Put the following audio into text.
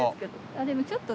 あでもちょっと。